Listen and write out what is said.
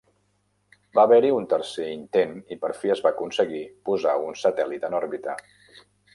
Va haver-hi un tercer intent i per fi es va aconseguir posar un satèl·lit en òrbita.